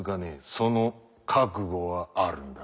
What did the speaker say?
その覚悟はあるんだな？